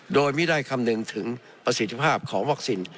โดยไม่ได้คำนึงถึงประสิทธิภาพของวัคซีน